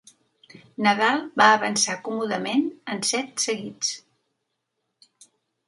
Nadal va avançar còmodament en sets seguits.